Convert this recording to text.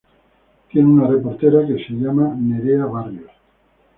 Tiene una reportera que se llama Nerea Barrios.